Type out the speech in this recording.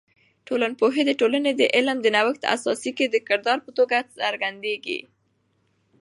ټولنپوهی د ټولنې د علم د نوښت اساسي کې د کردار په توګه څرګندیږي.